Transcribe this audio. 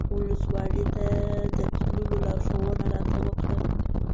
ولسوالۍ ته د تللو لارښوونه راته وکړه.